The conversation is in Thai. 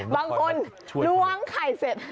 บางคนล้วงไข่เสร็จ